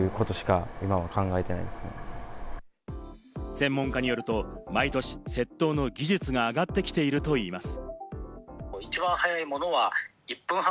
専門家によると、毎年、窃盗の技術が上がってきているといいます。